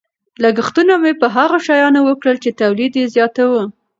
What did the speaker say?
لګښتونه مې په هغو شیانو وکړل چې تولید یې زیاتاوه.